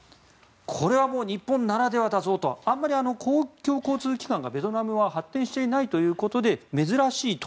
これは日本ならではだぞとあんまり公共交通機関がベトナムは発展していないということで珍しいと。